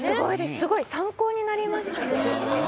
すごい参考になりましたね。